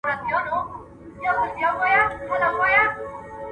موږ د جګړي د ناوړه پایلو څخه ځوریږو.